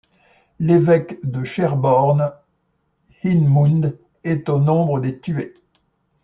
L'évêque de Sherborne Heahmund est au nombre des tués.